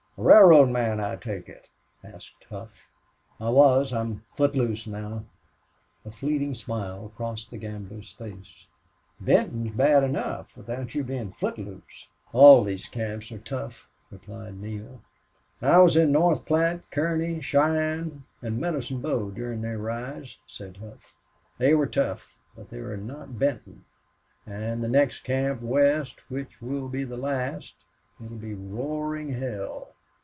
"A railroad man, I take it?" asked Hough. "I was. I'm foot loose now." A fleeting smile crossed the gambler's face. "Benton is bad enough, without you being foot loose." "All these camps are tough," replied Neale. "I was in North Platte, Kearney, Cheyenne, and Medicine Bow during their rise," said Hough. "They were tough. But they were not Benton. And the next camp west, which will be the last it will be Roaring Hell.